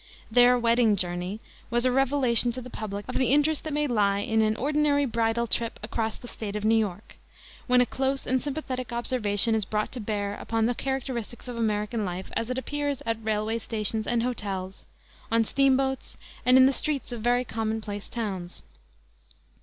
Their Wedding Journey was a revelation to the public of the interest that may lie in an ordinary bridal trip across the State of New York, when a close and sympathetic observation is brought to bear upon the characteristics of American life as it appears at railway stations and hotels, on steam boats and in the streets of very commonplace towns.